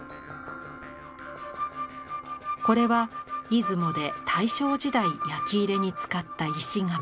これは出雲で大正時代焼き入れに使った石釜。